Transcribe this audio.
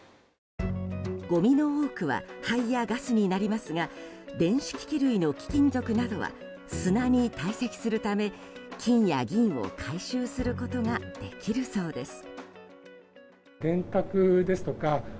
ごみの多くは灰やガスになりますが電子機器類の貴金属などは砂に堆積するため金や銀を回収することができるそうです。